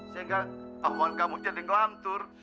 sehingga paham kamu jadi ngontur